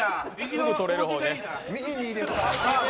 すぐ取れる方ね。